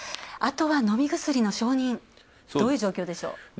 あとは飲み薬の承認、どういう状況でしょうか。